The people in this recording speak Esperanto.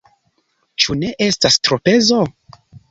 Ĉu ne estas tropezo?